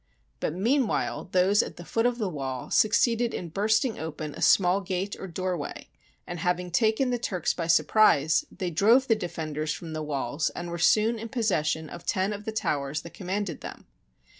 But meanwhile those at the foot of the wall succeeded in bursting open a small gate or doorway, and having taken the Turks by surprise, they drove the defenders from the walls and were soon in possession of ten of the towers that commanded them.